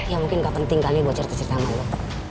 ya mungkin gak penting kali buat cerita cerita sama lo